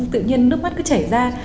tự nhiên nước mắt cứ chảy ra